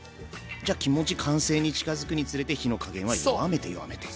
じゃ気持ち完成に近づくにつれて火の加減は弱めて弱めて。